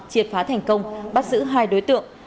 chiệt phá thành công bắt giữ hai đối tượng